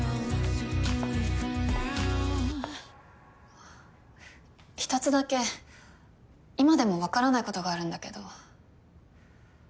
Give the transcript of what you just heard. あっ１つだけ今でもわからないことがあるんだけど。